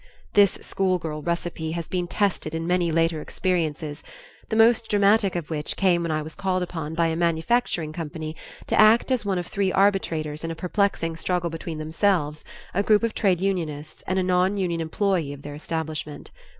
This schoolgirl recipe has been tested in many later experiences, the most dramatic of which came when I was called upon by a manufacturing company to act as one of three arbitrators in a perplexing struggle between themselves, a group of trade unionists and a non union employee of their establishment.